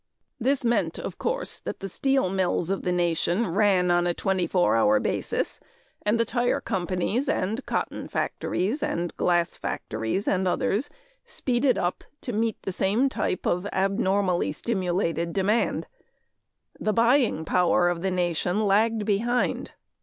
This meant, of course, that the steel mills of the nation ran on a twenty four hour basis, and the tire companies and cotton factories and glass factories and others speeded up to meet the same type of abnormally stimulated demand. The buying power of the nation lagged behind.